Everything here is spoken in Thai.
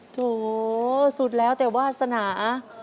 โถสุดแล้วแต่วาสนา